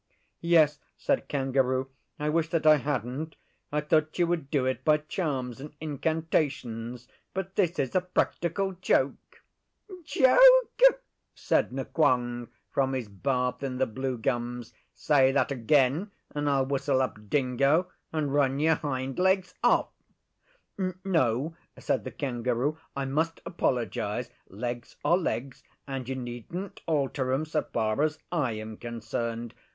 'Yes,' said Kangaroo. 'I wish that I hadn't. I thought you would do it by charms and incantations, but this is a practical joke.' 'Joke!' said Nqong from his bath in the blue gums. 'Say that again and I'll whistle up Dingo and run your hind legs off.' 'No,' said the Kangaroo. 'I must apologise. Legs are legs, and you needn't alter 'em so far as I am concerned.